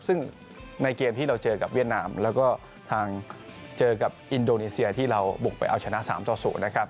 ซึ่งในเกมที่เราเจอกับเวียดนามแล้วก็ทางเจอกับอินโดนีเซียที่เราบุกไปเอาชนะ๓ต่อ๐นะครับ